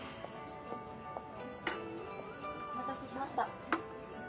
お待たせしました。